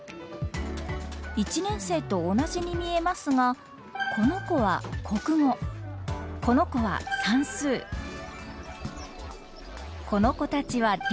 １年生と同じに見えますがこの子は国語この子は算数この子たちは理科。